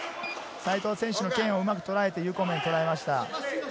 西藤選手の剣をうまく捉えて有効面を突きました。